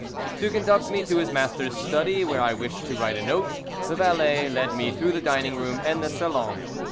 To conduct me to his master's study, where I wished to write a note, the valet led me through the dining room and the _salon.